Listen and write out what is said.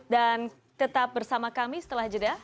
dan tetap bersama kami setelah jeda